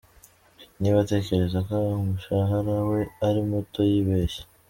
Niba atekereza ko umushahara we ari muto yibeshye.